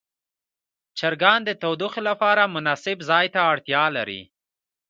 چرګان د تودوخې لپاره مناسب ځای ته اړتیا لري.